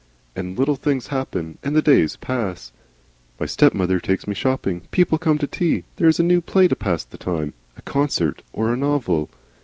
And little things happen and the days pass. My stepmother takes me shopping, people come to tea, there is a new play to pass the time, or a concert, or a novel.